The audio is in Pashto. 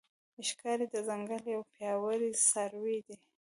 ښکاري د ځنګل یو پیاوړی څاروی دی.